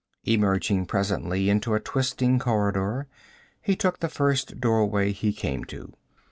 Emerging presently into a twisting corridor, he took the first doorway he came to.